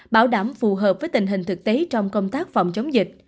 bảo đảm phù hợp với tình hình thực tế trong công tác phòng chống dịch